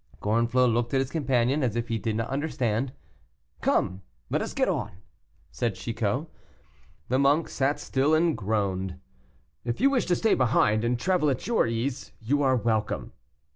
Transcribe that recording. Gorenflot looked at his companion as if he did not understand. "Come, let us get on," said Chicot. The monk sat still and groaned. "If you wish to stay behind and travel at your ease, you are welcome."